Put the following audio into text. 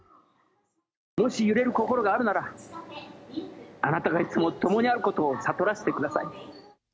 もし揺れる心があるなら、あなたがいつも共にあることを悟らせてください。